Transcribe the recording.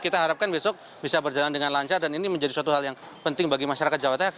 kita harapkan besok bisa berjalan dengan lancar dan ini menjadi suatu hal yang penting bagi masyarakat jawa tengah